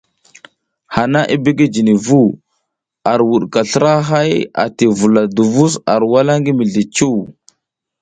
Hana bigi jini vu, ar wuɗika slra hay ati vula duvus ar wala ngi mizli cuw.